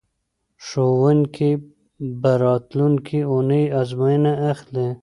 ښوونکي به راتلونکې اونۍ ازموینه اخلي.